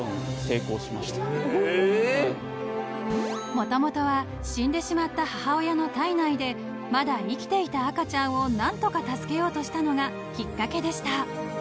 ［もともとは死んでしまった母親の胎内でまだ生きていた赤ちゃんを何とか助けようとしたのがきっかけでした］